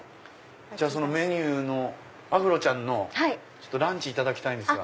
そのメニューのアフロちゃんのランチいただきたいんですが。